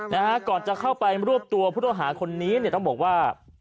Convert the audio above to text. นะฮะก่อนจะเข้าไปรวบตัวผู้ต้องหาคนนี้เนี่ยต้องบอกว่า